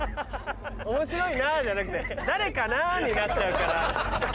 「面白いな」じゃなくて「誰かな？」になっちゃうから。